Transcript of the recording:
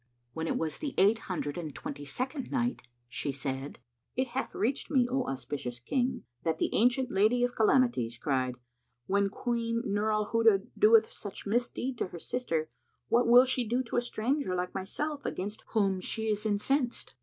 When it was the Eight Hundred and Twenty second Night, She said, It hath reached me, O auspicious King, that the ancient Lady of Calamities cried, "When Queen Nur al Huda doeth such misdeed to her sister, what will she do to a stranger like myself, against whom she is incensed?"